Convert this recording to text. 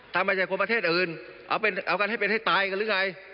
ถ้าไม่ใช่คนประเทศอื่นเอากันให้เป็นให้ตายกันหรือไง